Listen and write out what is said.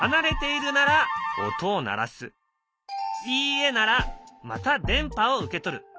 「いいえ」ならまた電波を受け取る。